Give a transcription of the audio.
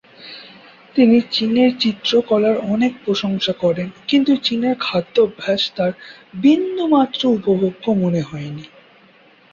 তিনি চীনের চিত্রকলার অনেক প্রশংসা করেন কিন্তু চীনের খাদ্যাভ্যাস তার বিন্দুমাত্র উপভোগ্য মনে হয়নি।